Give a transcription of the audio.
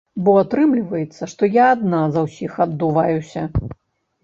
Бо атрымліваецца, што я адна за ўсіх аддуваюся.